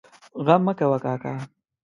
غم مه کوه کاکا!